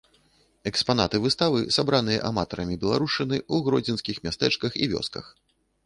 Экспанаты выставы сабраныя аматарамі беларушчыны ў гродзенскіх мястэчках і вёсках.